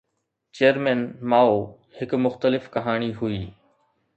Chairman Mao هڪ مختلف ڪهاڻي هئي.